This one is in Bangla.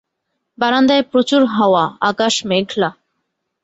বারান্দায় প্রচুর হাওয়া, আকাশ মেঘলা।